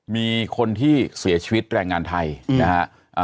มีคนที่เสียชีวิตแรงงานไทยนะฮะ